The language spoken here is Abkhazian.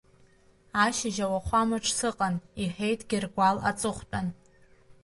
Ашьыжь ауахәамаҿ сыҟан, — иҳәеит Гьыргәал аҵыхәтәан.